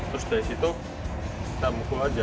terus dari situ kita mukul aja